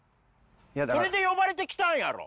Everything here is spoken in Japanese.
それで呼ばれて来たんやろ。